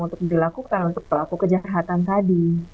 untuk dilakukan untuk pelaku kejahatan tadi